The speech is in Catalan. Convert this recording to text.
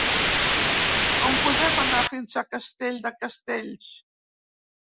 Com podem anar fins a Castell de Castells?